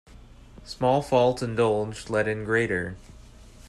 Small faults indulged let in greater.